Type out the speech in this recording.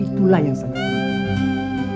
itulah yang sangat penting